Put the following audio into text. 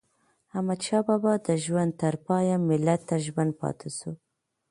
احمدشاه بابا د ژوند تر پایه ملت ته ژمن پاته سو.